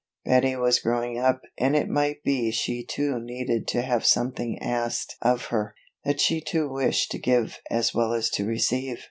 Betty was growing up and it might be she too needed to have something asked of her, that she too wished to give as well as to receive.